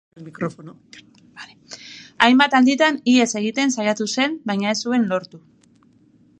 Hainbat alditan ihes egiten saiatu zen baina ez zuen lortu.